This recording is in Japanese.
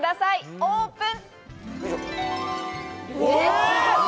オープン！